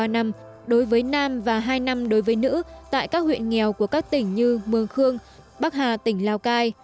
ba năm đối với nam và hai năm đối với nữ tại các huyện nghèo của các tỉnh như mường khương bắc hà tỉnh lào cai